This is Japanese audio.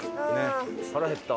腹減った。